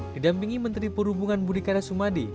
didampingi menteri perhubungan budi karya sumadi